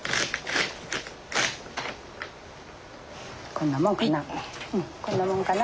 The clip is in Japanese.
こんなもんかな。